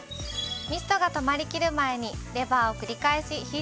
ミストが止まりきる前にレバーを繰り返し引いてみてください。